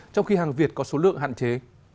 trong khi hàng việt có số lượng hạn chế